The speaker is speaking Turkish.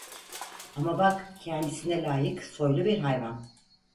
Ama bak! Kendisine layık, soylu bir hayvan.